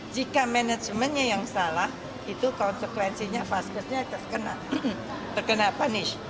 jika manajemennya yang salah itu konsekuensinya vaskesnya terkena punish